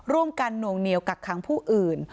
ร่วมกันหนวงเหนียวกักคังผู้อื่น